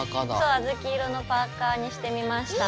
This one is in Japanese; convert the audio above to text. あずき色のパーカーにしてみました。